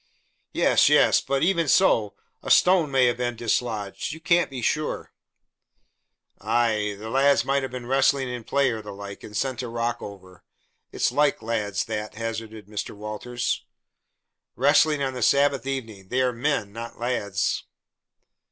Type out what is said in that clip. "Yes, yes. But even so, a stone may have been dislodged. You can't be sure." "Ay, the lads might have been wrestling in play or the like and sent a rock over; it's like lads, that," hazarded Mr. Walters. "Wrestling on the Sabbath evening! They are men, not lads."